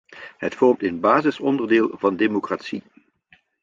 Het vormt een basisonderdeel van democratie.